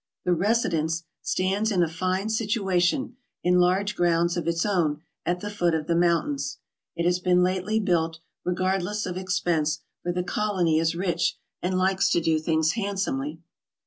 The "Residence" stands in a fine situation, in large grounds of its own, at the foot of the mountains. It has been lately built, regardless of expense, for the colony is rich, and likes to do things handsomely.